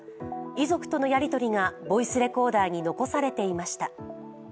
遺族とのやりとりがボイスレコーダーに残されていました。